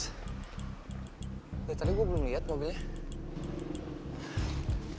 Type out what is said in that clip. tadi gue belum lihat mobilnya